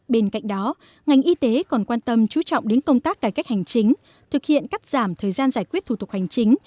bên cạnh đó ngành y tế còn quan tâm chú trọng đến công tác cải cách hành chính thực hiện cắt giảm thời gian giải quyết thủ tục hành chính